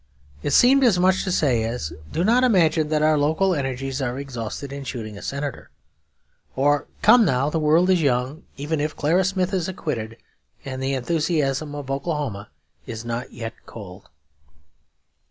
It seemed as much as to say, 'Do not imagine that our local energies are exhausted in shooting a Senator,' or 'Come, now, the world is young, even if Clara Smith is acquitted, and the enthusiasm of Oklahoma is not yet cold.'